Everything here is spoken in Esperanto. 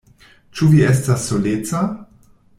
Ĉu vi estas soleca?